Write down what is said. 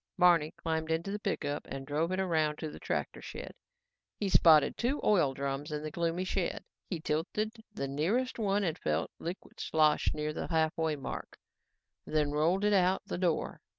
Barney climbed into the pickup and drove it around to the tractor shed. He spotted two oil drums in the gloomy shed. He tilted the nearest one and felt liquid slosh near the halfway mark, then rolled it out the door.